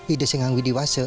ide sengang widih wase